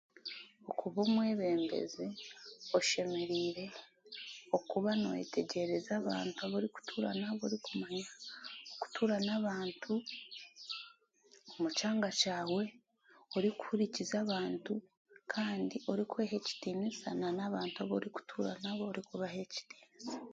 Okuba omwebembezi oshemereire okuba n'oyeetegyereza abantu ab'orikutuura nabo b'orikumanya ,okutuura n'abantu omu kyanga kyawe, orikuhurikiriza abantu kandi orikweha ekitiinisa nan'abantu abu orikutuura nabo orikubaha ekitiinisa